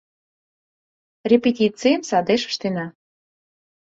Репетицийым садеш ыштена.